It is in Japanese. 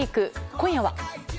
今夜は。